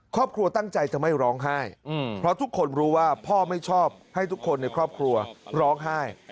ครอบครัวตั้งใจจะไม่ร้องไห้เพราะทุกคนรู้ว่าพ่อไม่ชอบให้ทุกคนในครอบครัวร้องไห้